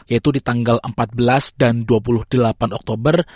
yaitu di tanggal empat belas dan dua puluh delapan oktober